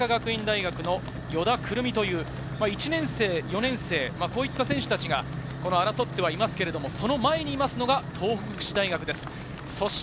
大阪学院大の依田来巳という１年生、４年生、こういった選手たちが争っていますが、その前にいるのが東北福祉大学です。